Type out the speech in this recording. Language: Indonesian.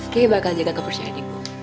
kini bakal jaga kepercayaan ibu